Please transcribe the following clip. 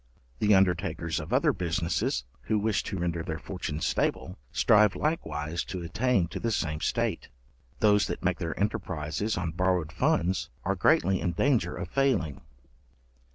The undertakers of other businesses, who wish to render their fortune stable, strive likewise to attain to the same state. Those that make their enterprizes on borrowed funds, are greatly in danger of failing.